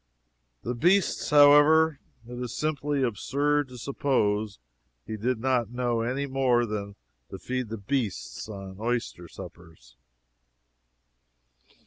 The beasts however, it is simply absurd to suppose he did not know any more than to feed the beasts on oyster suppers.